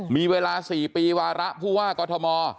มีเวลาสี่ปีวาระผู้ว่ากฎม